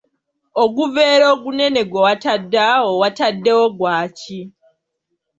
Oguveera ogunene gwe watadde awo, wataddewo gwaki?